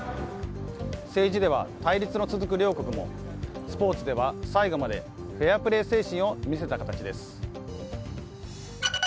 政治では対立の続く両国もスポーツでは最後までフェアプレー精神を見せた形です。